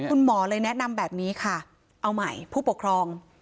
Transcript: คุณหมอเลยแนะนำแบบนี้ค่ะเอาใหม่ผู้ปกครอง